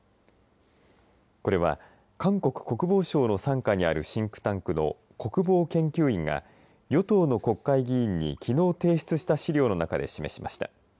これは、韓国国防省の傘下にあるシンクタンクの国防研究院が与党の国会議員にきのう提出した資料の中で示しました。